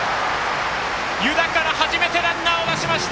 湯田から初めてランナーを出しました！